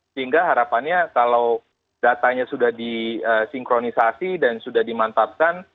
sehingga harapannya kalau datanya sudah disinkronisasi dan sudah dimantapkan